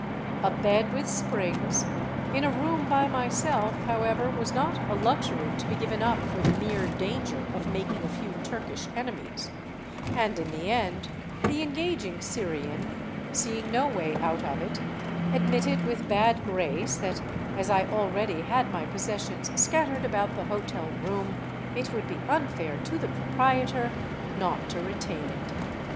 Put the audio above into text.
A bed with springs, in a room by myself, however, was not a luxury to be given up for the mere danger of mak ing a few Turkish enemies, and in the end the engaging Syrian, seeing no way out of it, admitted with bad grace that, as I already had my possessions scattered about the hotel room, it would be unfair to the proprietor not to retain it.